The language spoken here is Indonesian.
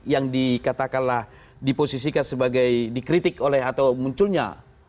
yang dikatakanlah diposisikan sebagai dikritik oleh atau munculnya